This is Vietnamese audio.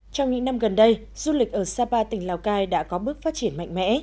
trong những năm gần đây du lịch ở sapa tỉnh lào cai đã có bước phát triển mạnh mẽ